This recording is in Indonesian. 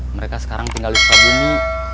mereka sekarang tinggal di sekolah bumi